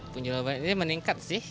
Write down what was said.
penjual obat ini meningkat sih